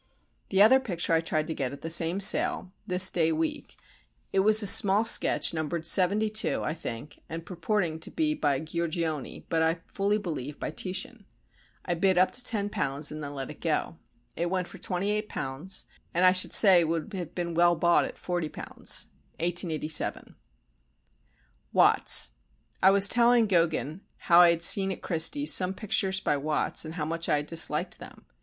The other picture I tried to get at the same sale (this day week); it was a small sketch numbered 72 (I think) and purporting to be by Giorgione but, I fully believe, by Titian. I bid up to £10 and then let it go. It went for £28, and I should say would have been well bought at £40. [1887.] Watts I was telling Gogin how I had seen at Christie's some pictures by Watts and how much I had disliked them.